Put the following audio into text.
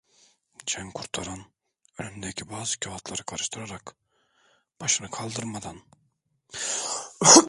Cankurtaran, önündeki bazı kağıtları karıştırarak, başını kaldırmadan: